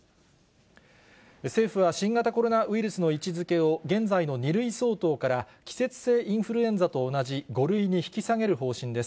政府は新型コロナウイルスの位置づけを現在の２類相当から、季節性インフルエンザと同じ５類に引き下げる方針です。